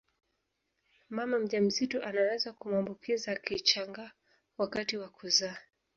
Mama mjamzito anaweza kumwambukiza kichanga wakati wa kuzaa